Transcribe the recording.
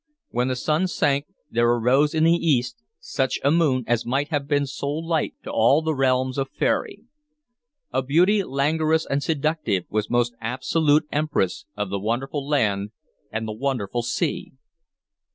When the sun sank, there arose in the east such a moon as might have been sole light to all the realms of faery. A beauty languorous and seductive was most absolute empress of the wonderful land and the wonderful sea.